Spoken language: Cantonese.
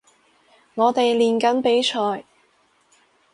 我哋練緊比賽